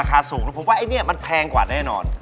แพงไหมมันเป็นทูบผอม